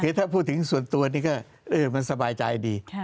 คือถ้าพูดถึงส่วนตัวนี่ก็มันสบายใจดี